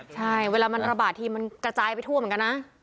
ใช่เวลามันระบาดทีมันกระจายไปทั่วเหมือนกันนะ